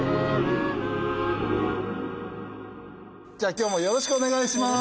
今今日もよろしくお願いします。